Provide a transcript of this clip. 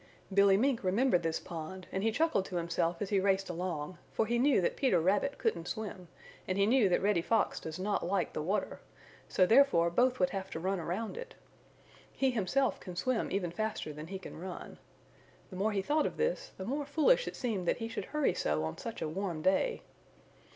Billy Mink remembered this pond and he chuckled to himself as he raced along, for he knew that Peter Rabbit couldn't swim and he knew that Reddy Fox does not like the water, so therefore both would have to run around it. He himself can swim even faster than he can run. The more he thought of this, the more foolish it seemed that he should hurry so on such a warm day.